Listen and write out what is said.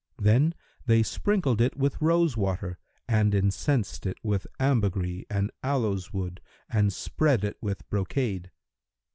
Then they sprinkled it with rose water and incensed it with ambergris and aloes wood and spread it with brocade.